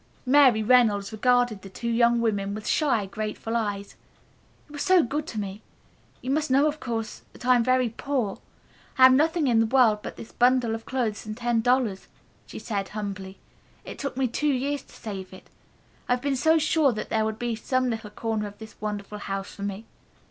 Mary Reynolds regarded the two young women with shy, grateful eyes. "You are so good to me. You must know, of course, that I am very poor. I have nothing in the world but this bundle of clothes and ten dollars," she said humbly. "It took me two years to save it, I have been so sure that there would be some little corner of this wonderful house for me.